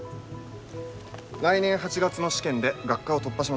来年８月の試験で学科を突破しましょう。